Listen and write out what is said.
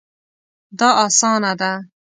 دا اسانه ده